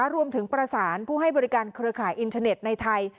รวมถึงประสานผู้ให้บริการเครือข่ายอินเทอร์เน็ตในไทย